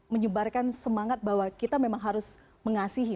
menyebarkan semangat bahwa kita memang harus mengasihi